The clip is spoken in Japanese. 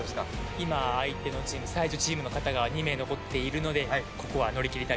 今相手のチーム才女チームの方が２名残っているのでここは乗り切りたいと思います。